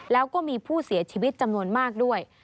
แล้วก็มีผู้เสียชีวิตจำนวนมากด้วย